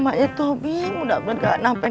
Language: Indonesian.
emaknya tobing udah bener gak napet napet